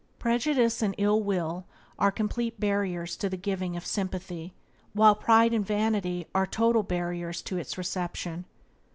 Prejudice and ill will are complete barriers to the giving of sympathy, while pride and vanity are total barriers to its reception.